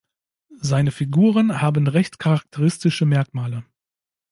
Seine Figuren haben recht charakteristische Merkmale.